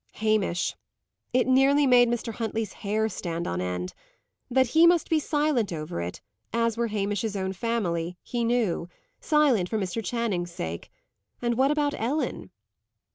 Hamish! It nearly made Mr. Huntley's hair stand on end. That he must be silent over it, as were Hamish's own family, he knew silent for Mr. Channing's sake. And what about Ellen?